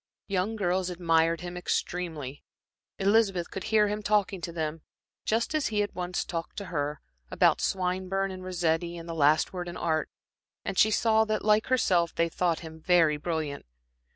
Young girls admired him extremely. Elizabeth could hear him talking to them, just as he had once talked to her, about Swinburne and Rossetti and the last word in Art, and she saw that, like herself, they thought him very brilliant.